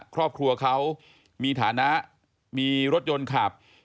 ครอบครัวเขามีฐานะมีรถยนต์ขับ